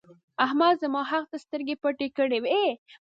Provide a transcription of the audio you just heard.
احمد زما حق ته سترګې پټې کړې وې.